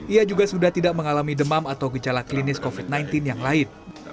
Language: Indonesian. ia juga sudah tidak mengalami demam atau gejala klinis covid sembilan belas yang lain